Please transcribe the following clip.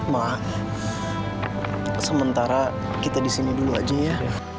maaf sementara kita disini dulu aja ya